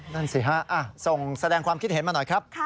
นั่นสิฮะส่งแสดงความคิดเห็นมาหน่อยครับ